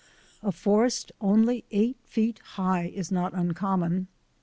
A forest only eight feet high is not uncommon.